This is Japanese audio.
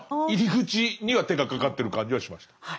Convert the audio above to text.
入り口には手がかかってる感じはしました。